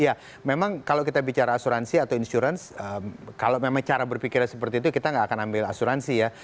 ya memang kalau kita bicara asuransi atau insurance kalau memang cara berpikirnya seperti itu kita nggak akan ambil asuransi ya